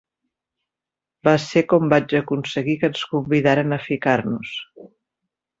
Va ser com vaig aconseguir que ens convidaren a ficar-nos.